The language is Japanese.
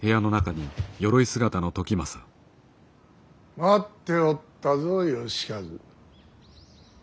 待っておったぞ能員。